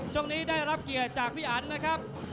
ช่วงนี้ได้รับเกียรติจากพี่อันนะครับ